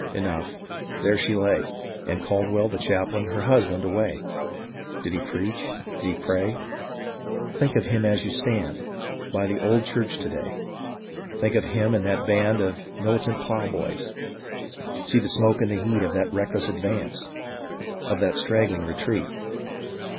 Enough ! there she lay. And Caldwell, the chaplain, her husband away ! Did he preach ? Did he pray ? Think of him as you stand By the old church to day ; think of him and that band Of militant ploughboys ! See the smoke and the heat Of that reckless advance — of that straggling retreat